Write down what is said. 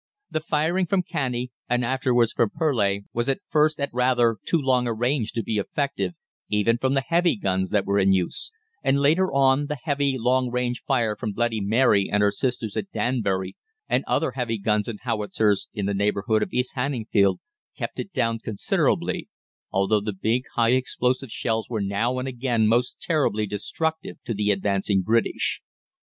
The firing from Canney, and afterwards from Purleigh, was at first at rather too long a range to be effective, even from the heavy guns that were in use, and later on the heavy long range fire from 'Bloody Mary' and her sisters at Danbury, and other heavy guns and howitzers in the neighbourhood of East Hanningfield, kept it down considerably, although the big, high explosive shells were now and again most terribly destructive to the advancing British.